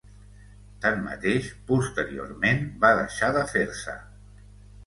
Tanmateix, posteriorment va deixar de fer-se.